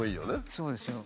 そうですよ。